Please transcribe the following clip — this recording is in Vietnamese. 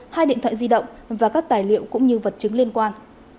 hai điện thoại di động và các tài liệu cũng như vật chứng liên quan